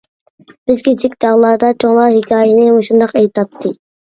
بىز كىچىك چاغلاردا چوڭلار ھېكايىنى مۇشۇنداق ئېيتاتتى.